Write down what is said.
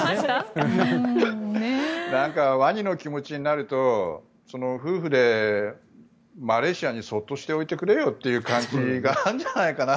ワニの気持ちになると夫婦でマレーシアにそっとしておいてくれよという感じがあるんじゃないかな。